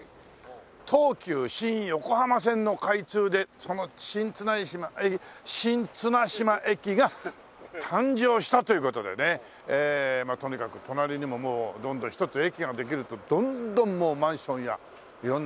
東急新横浜線の開通でその新綱島駅が誕生したという事でねとにかく隣にももうどんどん１つ駅ができるとどんどんもうマンションや色んな店が建ちます。